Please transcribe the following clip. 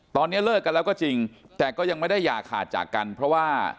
ตอนนี้เลิกกันแล้วก็จริงแต่ก็ยังไม่ได้อย่าขาดจากกันเพราะว่า